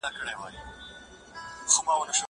زه اوس سندري اورم!!